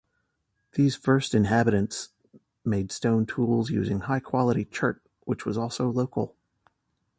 These first inhabitants made stone tools using high quality chert which was also local.